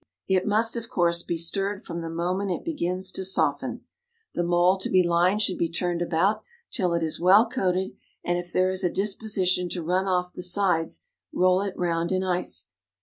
It must, of course, be stirred from the moment it begins to soften. The mould to be lined should be turned about till it is well coated, and if there is a disposition to run off the sides, roll it round in ice.